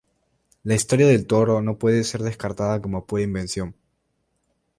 La historia del toro no puede ser descartada como pura invención.